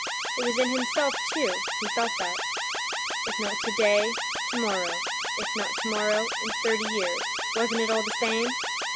It was in himself too, he felt that. If not today, tomorrow, if not tomorrow, in thirty years, wasn't it all the same!